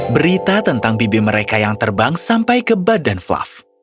berita tentang bibi mereka yang terbang sampai ke badan fluff